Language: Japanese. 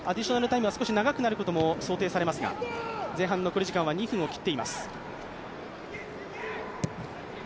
タイムは長くなることも想定されますが、前半残り時間は２分を切っています。